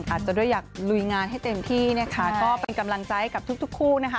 อาจจะด้วยอยากลุยงานให้เต็มที่นะคะก็เป็นกำลังใจกับทุกคู่นะคะ